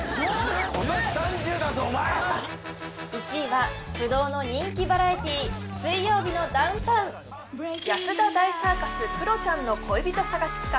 １位は不動の人気バラエティー安田大サーカスクロちゃんの恋人探し企画